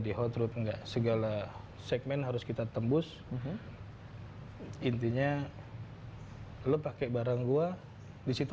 di hot root enggak segala segmen harus kita tembus intinya lo pakai barang gua disitu